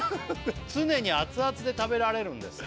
「常に熱々で食べられるんです」